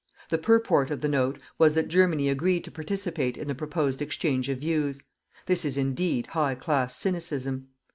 The purport of the note was that Germany agreed to participate in the proposed exchange of views. This is indeed high class cynicism.